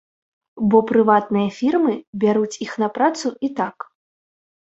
Бо прыватныя фірмы, бяруць іх на працу і так.